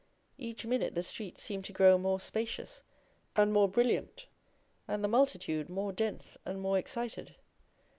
Each minute the streets seemed to grow more spacious and more brilliant, and the multitude more dense and more excited.